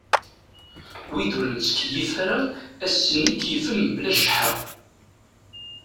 Wid ur nettkeyyif ara, ass-nni keyyfen mebla cceḥḥa.